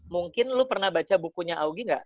mungkin lu pernah baca bukunya aogi gak